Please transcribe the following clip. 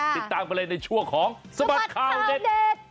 ติดตามกันเลยในช่วงของสบัดข่าวเด็ด